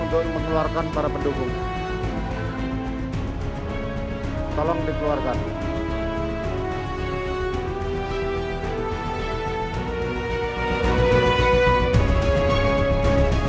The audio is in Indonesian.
tersebut di atas